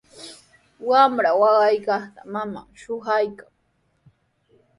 Wamra waqaykaqta maman shuqaykan.